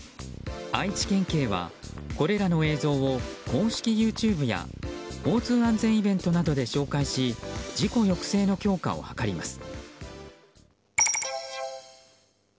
愛知県警は、これらの映像を公式ＹｏｕＴｕｂｅや交通安全イベントなどで紹介し自己抑制の強化を図ります。